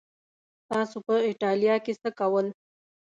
تاسو په ایټالیا کې څه کول؟